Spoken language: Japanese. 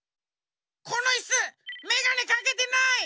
このイスメガネかけてない！